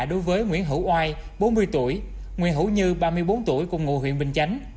đối với nguyễn hữu oai bốn mươi tuổi nguyễn hữu như ba mươi bốn tuổi cùng ngụ huyện bình chánh